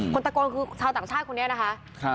คนตะโกนคือชาวต่างชาติคนนี้นะคะ